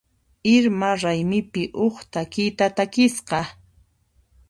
Irma raymipi huk takiyta takisqa.